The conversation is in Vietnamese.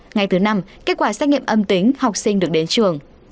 ngày thứ năm kết quả xét nghiệm âm tính học sinh được đến trường